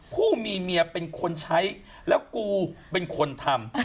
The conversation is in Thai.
ผู้มีเมียเป็นคนใช้แล้วกูเป็นคนทำ